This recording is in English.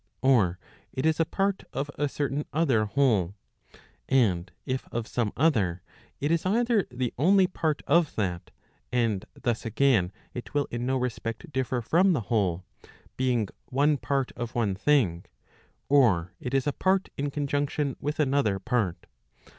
Or it is a part of a certain other whole. And if of some other, it is either the only part of that, and thus again, it will in no respect differ from the whole, being one part of one thing. Or it is a part in conjunction with another part.